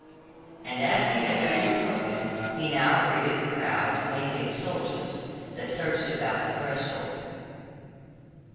And as he had greeted Hogan he now greeted the crowd mainly of soldiers that surged about the threshold.